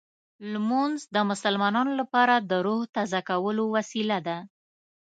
لمونځ د مسلمانانو لپاره د روح تازه کولو وسیله ده.